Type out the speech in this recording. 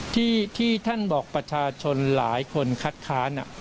ที่ท่านบอกประชาชนหลายคนคัดค้าน